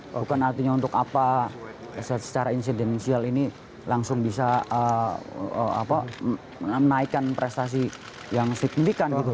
bukan artinya untuk apa secara insidensial ini langsung bisa menaikkan prestasi yang signifikan gitu